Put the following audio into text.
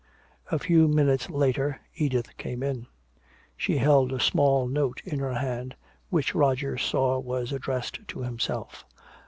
A few minutes later Edith came in. She held a small note in her hand, which Roger saw was addressed to himself.